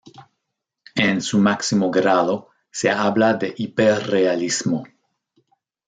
En su máximo grado, se habla de hiperrealismo.